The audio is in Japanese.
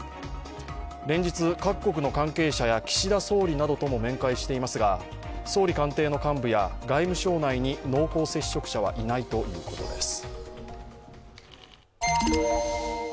連日、各国の関係者や岸田総理などとも面会していますが総理官邸の幹部や外務省内に濃厚接触者はいないということです。